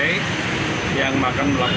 ya kita sedang melakukan penyelamatan